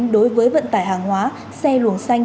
đối với vận tải hàng hóa xe luồng xanh